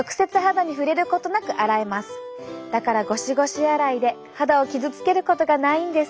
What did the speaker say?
だからゴシゴシ洗いで肌を傷つけることがないんです。